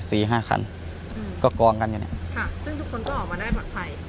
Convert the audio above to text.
สี่ห้าคันอืมก็กองกันอยู่เนี้ยค่ะซึ่งทุกคนก็ออกมาได้ปลอดภัย